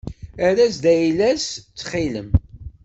Err-as-d ayla-as ttxil-m.